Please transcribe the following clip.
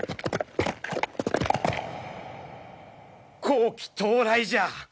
好機到来じゃ！